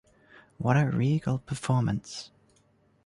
What a regal performance!